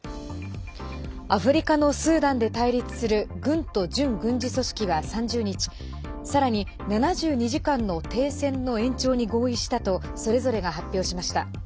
アフリカのスーダンで対立する軍と準軍事組織は３０日さらに７２時間の停戦の延長に合意したとそれぞれが発表しました。